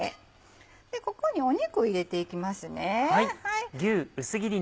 ここに肉を入れていきます。